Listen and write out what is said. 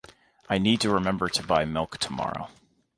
I need to remember to buy milk tomorrow.